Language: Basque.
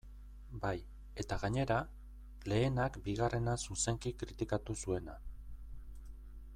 Bai, eta gainera, lehenak bigarrena zuzenki kritikatu zuena.